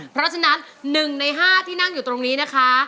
เพราะฉะนั้น๑ใน๕ที่นั่งอยู่ตรงนี้นะคะ